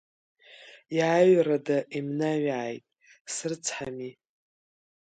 Иааҩрада имнаҩааит, срыцҳами!